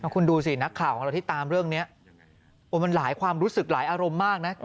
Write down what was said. คุณดูสินักข่าวของเราที่ตามเรื่องนี้มันหลายความรู้สึกหลายอารมณ์มากนะ